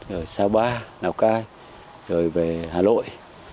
rồi sao ba nào cai rồi về hà nội